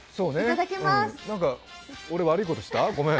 なんか俺、悪いことした？